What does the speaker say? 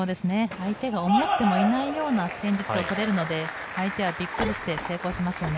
相手が思ってもいないような戦術を立てるので、相手はびっくりして成功しますよね。